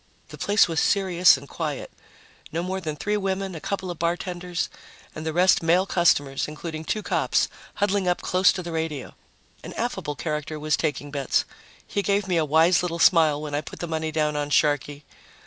The place was serious and quiet no more than three women, a couple of bartenders, and the rest male customers, including two cops, huddling up close to the radio. An affable character was taking bets. He gave me a wise little smile when I put the money down on Sharkey.